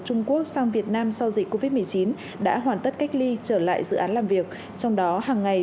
trung quốc sang việt nam sau dịch covid một mươi chín đã hoàn tất cách ly trở lại dự án làm việc trong đó hàng ngày